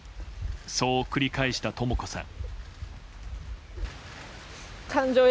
そう繰り返した、とも子さん。